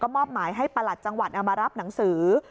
มอบหมายให้ประหลัดจังหวัดเอามารับหนังสือ